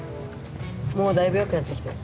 もうだいぶよくなってきたよ。